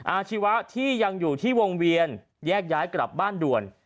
อาชีวะที่ยังอยู่ที่วงเวียนแยกย้ายกลับบ้านด่วน